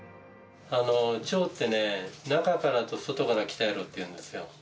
腸ってね、中からと外から鍛えろっていうんですよ。